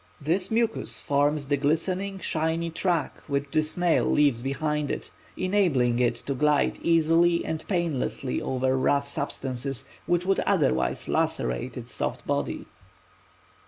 This mucus forms the glistening, shiny track which the snail leaves behind it, enabling it to glide easily and painlessly over rough substances which would otherwise lacerate its soft body.